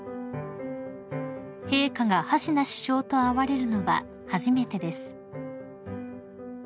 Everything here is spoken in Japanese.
［陛下がハシナ首相と会われるのは初めてです］